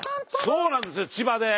そうなんですよ千葉で！